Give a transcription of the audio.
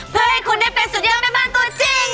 เพื่อให้คุณได้เป็นสุดยอดแม่บ้านตัวจริง